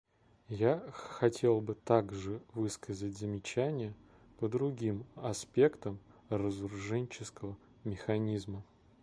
Я хотел бы также высказать замечания по другим аспектам разоруженческого механизма.